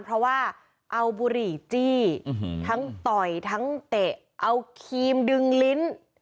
เพราะว่าเอาบุหรี่จี้ทั้งต่อยทั้งเตะเอาครีมดึงลิ้น